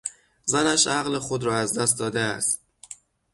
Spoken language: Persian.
زنش عقل خود را از دست داده است.